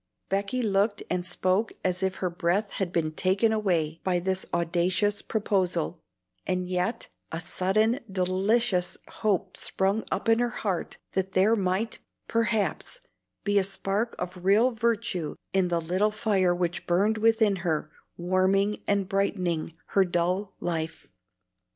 Becky looked and spoke as if her breath had been taken away by this audacious proposal; and yet a sudden delicious hope sprung up in her heart that there might, perhaps, be a spark of real virtue in the little fire which burned within her, warming and brightening her dull life.